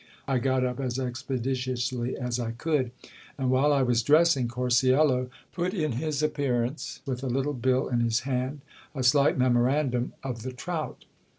I got up as expeditiously as I could ; and while I was dressing Cor cuelo put in his appearance, with a little bill in his hand ;— a slight memorandum of the trout